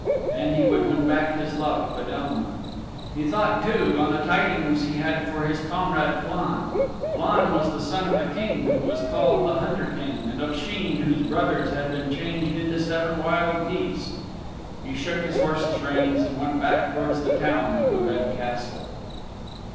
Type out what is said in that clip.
Then he would win back his love Fedelma. He thought too on the tidings he had for his comrade Flann Flann was the Son of the King who was called the Hunter King and of Sheen whose brothers had been changed into seven wild geese. He shook his horse's reins and went back towards the Town of the Red Castle.